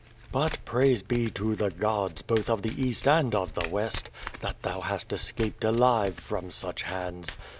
But praise be to the gods, both of the east and of the west, that thou hast escaped alive from such hands.